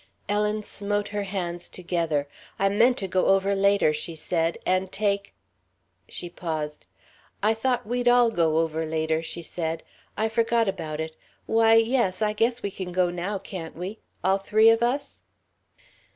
Ellen smote her hands together. "I meant to go over later," she said, "and take " She paused. "I thought we'd all go over later," she said. "I forgot about it. Why, yes, I guess we can go now, can't we? All three of us?"